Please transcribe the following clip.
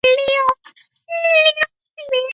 他对拍摄影片的兴趣因此而变得浓厚。